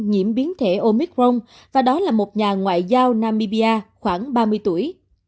nhiễm biến thể omicron và đó là một nhà ngoại giao namibia khoảng ba mươi tuổi